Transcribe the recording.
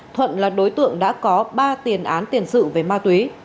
thuận là đối tượng đã có ba tiền án tiền sự về ma túy